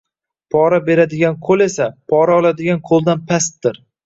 Pora beradigan qo‘l esa pora oladigan qo‘ldan pastdir.